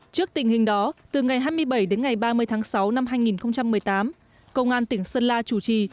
trước tình hình đó từ ngày hai mươi bảy đến ngày ba mươi tháng sáu năm hai nghìn một mươi tám công an tỉnh sơn la chủ trì